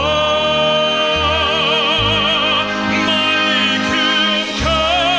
ไม่คืนขั้นหลายใจในโชคชะตา